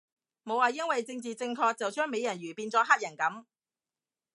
冇話因為政治正確就將美人魚變咗黑人噉